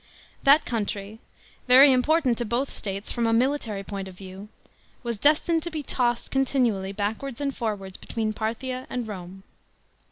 That country, very important to both states from a military point of view, was destined to be tossed continually backwards and forwards between Parthia and Rome.